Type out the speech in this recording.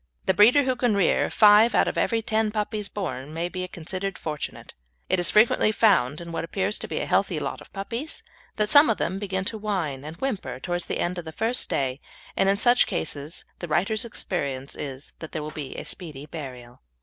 The breeder who can rear five out of every ten puppies born may be considered fortunate. It is frequently found in what appears to be a healthy lot of puppies that some of them begin to whine and whimper towards the end of the first day, and in such cases the writer's experience is that there will be a speedy burial.